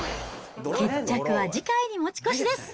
決着は次回に持ち越しです。